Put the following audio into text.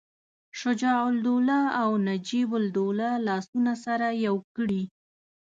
شجاع الدوله او نجیب الدوله لاسونه سره یو کړي.